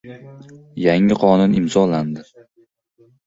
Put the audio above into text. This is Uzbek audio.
Yangi qonun imzolandi